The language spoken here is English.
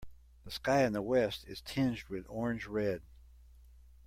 The sky in the west is tinged with orange red.